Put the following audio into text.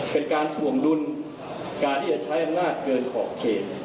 เป็นการถ่วงดุลการที่จะใช้อำนาจเกินขอบเขต